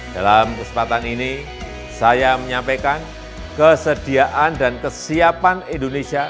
dalam kesempatan ini saya menyampaikan kesediaan dan kesiapan indonesia